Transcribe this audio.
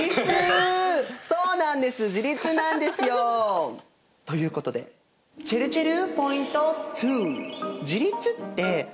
そうなんです自立なんですよ。ということでちぇるちぇるポイント２。